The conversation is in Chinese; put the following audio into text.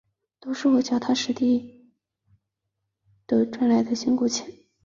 都是我脚踏实地赚来的辛苦钱